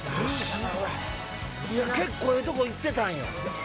結構ええとこ行ってたんよ。